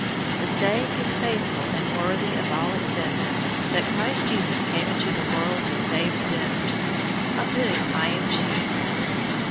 001:015 The saying is faithful and worthy of all acceptance, that Christ Jesus came into the world to save sinners; of whom I am chief.